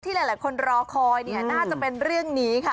หลายคนรอคอยน่าจะเป็นเรื่องนี้ค่ะ